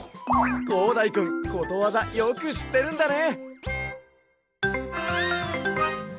こうだいくんことわざよくしってるんだね。